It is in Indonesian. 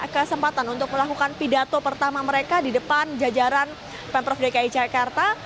kesempatan untuk melakukan pidato pertama mereka di depan jajaran pemprov dki jakarta